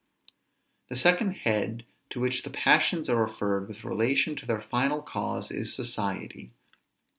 The second head to which the passions are referred with relation to their final cause, is society.